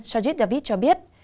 sajid david cho biết